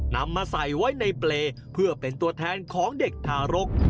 นำมาใส่ไว้ในเปรย์เพื่อเป็นตัวแทนของเด็กทารก